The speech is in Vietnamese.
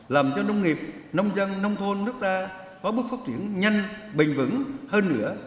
làm cho nông nghiệp nông dân nông thôn nước ta có bước phát triển nhanh bình vững hơn nữa